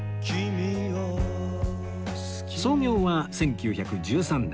創業は１９１３年